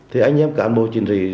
thì anh em cán bồ chính trị